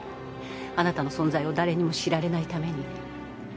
あなたの存在を誰にも知られないために。